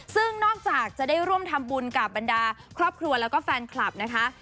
ซึ่งนอกจากจะได้ร่วมทำบุญกับบรรดาครอบครัวแล้วก็แฟนคลับนะคะ